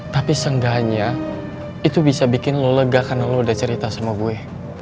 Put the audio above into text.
tapi seenggaknya itu bisa bikin lo lega karena lo udah cerita sama gue